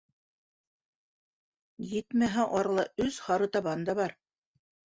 Етмәһә, арала өс һарытабан да бар.